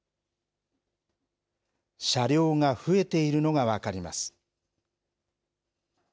車両が増えているのが分かります。